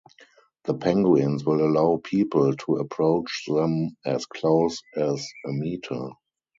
The penguins will allow people to approach them as close as a metre.